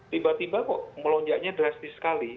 tiba tiba kok melonjaknya drastis sekali